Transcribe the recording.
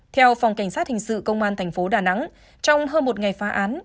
theo phòng cảnh sát hình sự công an thành phố đà nẵng trong hơn một ngày phá án